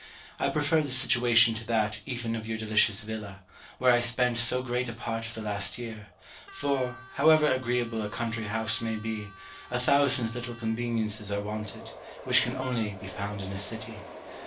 I prefer this situation to that even of your delicious villa, where I spent so great a part of the last year; for, however agreeable a country house may be, a thousand little conveniences are wanted, which can only be found in a city.